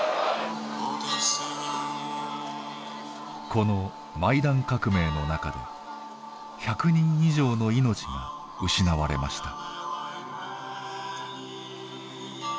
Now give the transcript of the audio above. このマイダン革命の中で１００人以上の命が失われました。